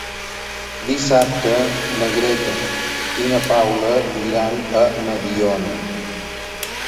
Dissabte na Greta i na Paula iran a Mediona.